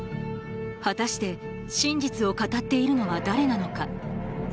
果たして真実を語っているのは誰なのか？